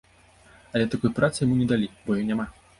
Але такой працы яму не далі, бо яе няма.